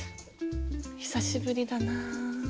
久しぶりだなぁ。